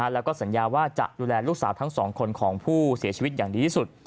แล้วก็สัญญาว่าจะดูแลลูกสาวทั้งสองคนของผู้เสียชีวิตอย่างดีที่สุด